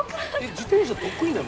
自転車得意なの？